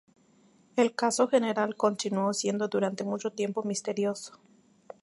El caso general continuó siendo durante mucho tiempo misterioso.